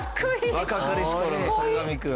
若かりし頃の坂上くん。